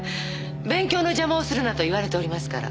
勉強の邪魔をするなと言われておりますから。